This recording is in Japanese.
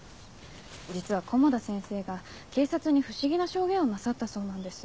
実は古茂田先生が警察に不思議な証言をなさったそうなんです。